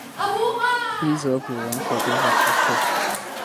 伊泽谷人口变化图示